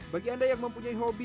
bagi anda yang mempunyai hobi